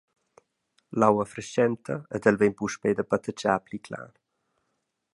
L’aua frestgenta ed el vegn puspei da patertgar pli clar.